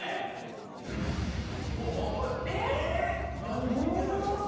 何にも見えないじゃん。